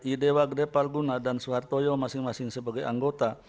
ide wakde palguna dan soehartojo masing masing sebagai anggota